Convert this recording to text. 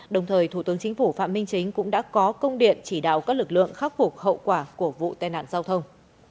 đồng thời thủ tướng chính phủ phạm minh chính cũng đã có công điện chỉ đạo các lực lượng khắc phục hậu quả của vụ tai nạn giao thông